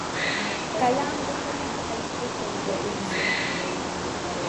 Ka laamba ti lahi ka yiko shɛli bɛ bihi zuɣu.